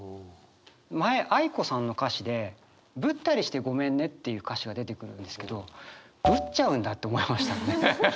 前ａｉｋｏさんの歌詞で「ぶったりしてごめんね」っていう歌詞が出てくるんですけどぶっちゃうんだって思いました。